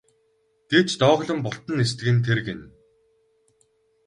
гэж дооглон бултан нисдэг нь тэр гэнэ.